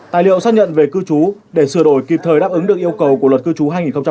tài liệu xác nhận về cư trú để sửa đổi kịp thời đáp ứng được yêu cầu của luật cư trú hai nghìn hai mươi ba